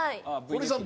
堀さん